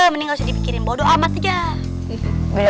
mending gak usah dipikirin bodo amat aja